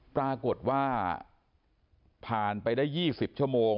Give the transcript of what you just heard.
ปรากฏว่าผ่านไปได้๒๐ชั่วโมง